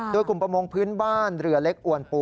โดยกลุ่มประมงพื้นบ้านเรือเล็กอวนปู